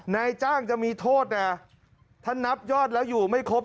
นายจ้างจะมีโทษนะถ้านับยอดแล้วอยู่ไม่ครบ